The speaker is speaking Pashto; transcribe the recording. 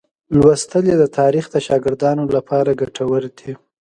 لوستل یې د تاریخ د شاګردانو لپاره ګټور دي.